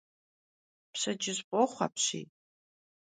Pşedcıj f'oxhu apşiy.